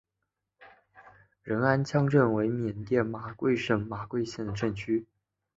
仁安羌镇为缅甸马圭省马圭县的镇区。